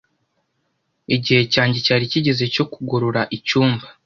Igihe cyanjye cyari kigeze cyo kugorora icyumba.